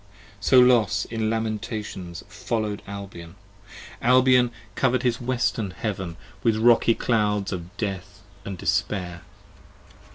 41 So Los in lamentations follow'd Albion. Albion cover'd 34 p. 3 1 HIS western heaven with rocky clouds of death & despair.